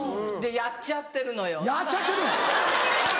やっちゃってる！